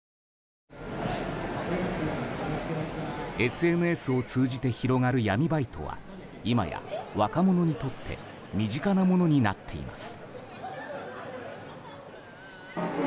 ＳＮＳを通じて広がる闇バイトは今や若者にとって身近なものになっています。